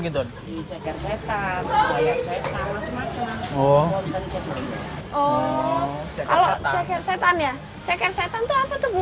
ini ceker setan sayap setan semacamnya